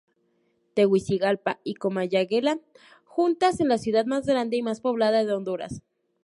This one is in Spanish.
Tegucigalpa y Comayagüela, juntas, es la ciudad más grande y más poblada de Honduras.